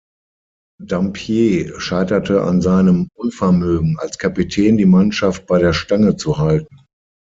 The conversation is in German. Dampier scheiterte an seinem Unvermögen, als Kapitän die Mannschaft bei der Stange zu halten.